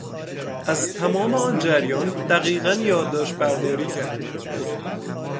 از تمام آن جریان دقیقا یادداشت برداری کرد.